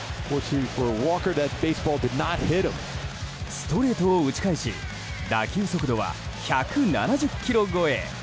ストレートを打ち返し打球速度は１７０キロ超え。